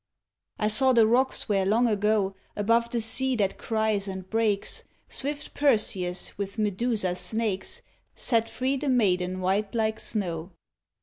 I saw the rocks where long ago, Above the sea that cries and breaks, Swift Perseus with Medusa's snakes Set free the maiden white like snow.